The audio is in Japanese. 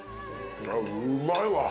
うまいわ。